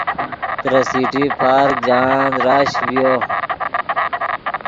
ترے سٹی پارک جاہند رش ڤیو